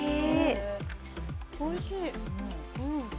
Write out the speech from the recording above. おいしい。